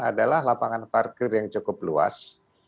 adalah lapangan parkir yang cukup luas